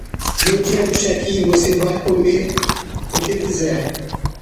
No dia do check-in, você vai comer o que quiser.